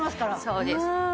そうです。